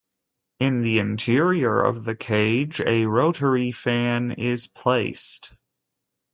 In the interior of the cage a rotary fan is placed.